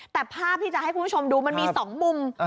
แต่ภาพที่จะให้คุณผู้ชมดูมันมี๒มุม